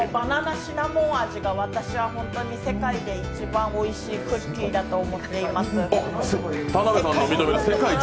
シナモン味が私は本当に世界で一番おいしいクッキーだと思っています。